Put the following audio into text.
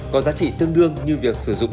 có giá trị tương đương như việc sử dụng